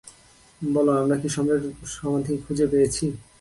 বলো, আমরা কি সম্রাটের সমাধি খুঁজে পেয়েছি?